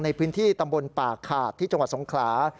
ในพื้นที่ตำบลป่าขาดที่จังหวัดสงขลา